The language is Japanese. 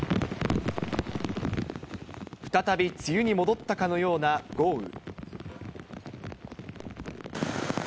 再び梅雨に戻ったかのような豪雨。